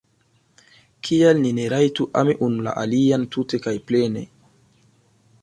Kial ni ne rajtu ami unu la alian tute kaj plene?